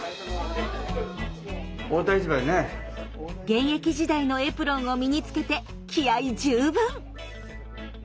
現役時代のエプロンを身につけて気合い十分。